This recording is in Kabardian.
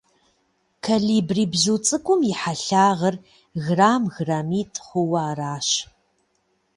Колибри бзу цIыкIум и хьэлъагъыр грамм-граммитI хъууэ аращ.